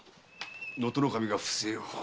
能登守が不正を。